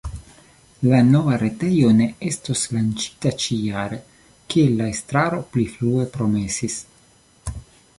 La nova retejo ne estos lanĉita ĉi-jare, kiel la estraro pli frue promesis.